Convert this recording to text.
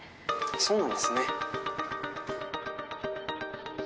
そうなんですね。